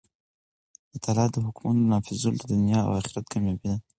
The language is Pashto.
د الله تعالی د حکمونو نافذول د دؤنيا او آخرت کاميابي ده.